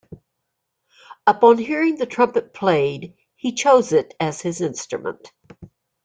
Upon hearing the trumpet played, he chose it as his instrument.